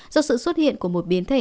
do sự xuất hiện của một biến thể